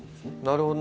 なるほど。